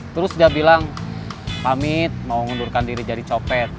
terus dia bilang pamit mau ngundurkan diri jadi copet